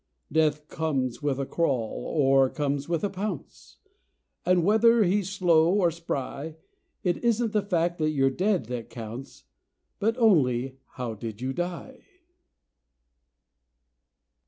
Death comes with a crawl, or comes with a pounce, And whether he's slow or spry, It isn't the fact that you're dead that counts, But only how did you die?